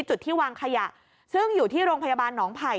จุดที่วางขยะซึ่งอยู่ที่โรงพยาบาลหนองไผ่